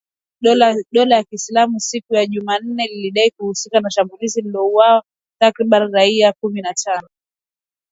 Dola ya ki islamu siku ya Jumanne lilidai kuhusika na shambulizi lililoua takribani raia kumi na tano